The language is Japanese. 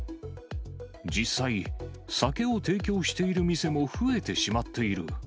実際、酒を提供している店も増えてしまっている。